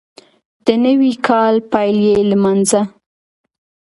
د نوي کال پیل یې لمانځه